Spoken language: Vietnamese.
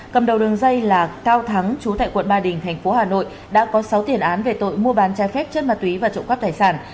cầm đầu đường dây là cao thắng chú tại quận ba đình thành phố hà nội đã có sáu tiền án về tội mua bán trái phép chất ma túy và trộm cắp tài sản